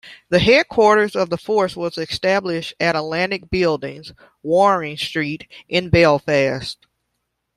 The headquarters of the force was established at Atlantic Buildings, Waring Street, in Belfast.